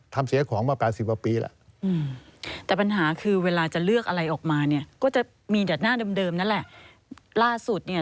กลุ่มเดิมนั่นแหละล่าสุดเนี่ย